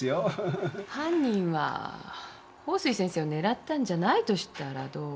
犯人は鳳水先生を狙ったんじゃないとしたらどう？